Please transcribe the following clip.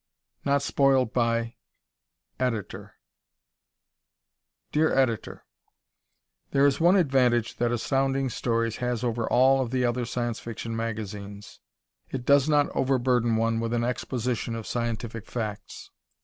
"Not Spoiled by ... Editor" Dear Editor: There is one advantage that Astounding Stories has over all of the other Science Fiction magazines. It does not overburden one with an exposition of scientific facts.